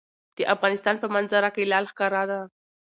د افغانستان په منظره کې لعل ښکاره ده.